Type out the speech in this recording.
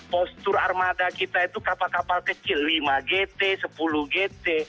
postur armada kita itu kapal kapal kecil lima gt sepuluh gt